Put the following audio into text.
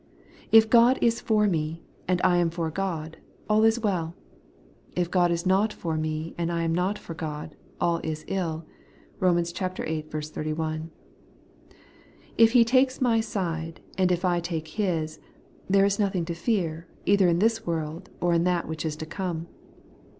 If God is for me, and I am for God, all is well. If God is not for me, and if I am not for God, aU is iU (Eom. viii. 31). If He takes my side, and if I take His, there is nothing to fear, either in this world or in that which' is to come.